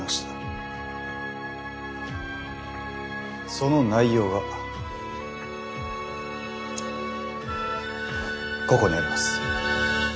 その内容がここにあります。